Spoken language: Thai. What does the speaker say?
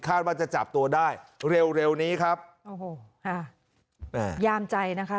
ว่าจะจับตัวได้เร็วเร็วนี้ครับโอ้โหค่ะอ่ายามใจนะคะ